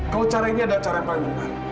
kalau cara ini adalah cara yang paling baik